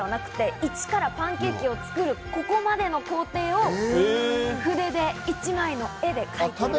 イチからパンケーキを作るここまでの工程を筆で一枚の絵で描いている。